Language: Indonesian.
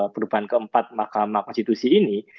perubahan keempat mahkamah konstitusi ini